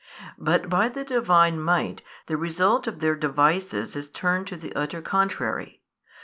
But by the Divine Might the result of their devices is turned to the utter contrary.